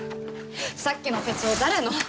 さっきの手帳誰の？